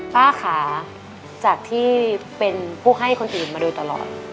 ป้าขาจากที่เป็นผู้ให้คนอื่นมาโดยตลอด